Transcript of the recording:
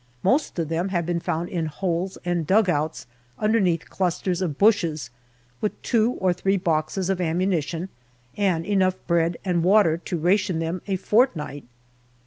Most of them have been found in holes and dugouts underneath clusters of bushes, with two or three boxes of ammu nition, and enough bread and water to ration them a fortnight.